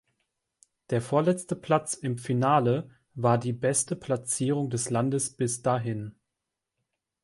Der vorletzte Platz im Finale war die beste Platzierung des Landes bis dahin.